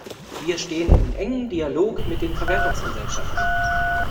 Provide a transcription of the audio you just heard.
Wir stehen in engem Dialog mit den Verwertungsgesellschaften.